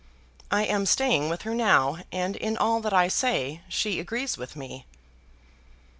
I am staying with her now, and in all that I say, she agrees with me.